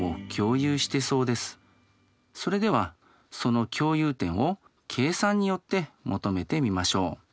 それではその共有点を計算によって求めてみましょう。